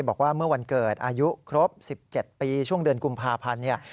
บอกว่าเมื่อวันเกิดอายุครบ๑๗ปีช่วงเดือนกุมภาพันธ์เนี่ย